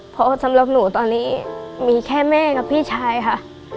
เพราะสำหรับหนูตอนนี้มีแค่แม่กับพี่ชายค่ะ